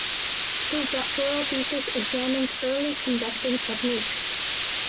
His doctoral thesis examines early conducting techniques.